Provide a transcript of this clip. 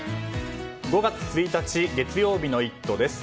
５月１日月曜日の「イット！」です。